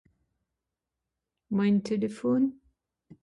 mein Téléphone